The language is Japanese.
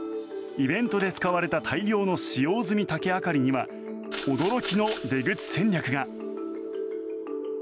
イベントで使われた大量の使用済み竹あかりには驚きの出口戦略が。